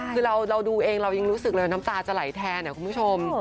คือเราดูเองเรายังรู้สึกเลยน้ำตาจะไหลแทนคุณผู้ชม